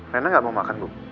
rena gak mau makan bu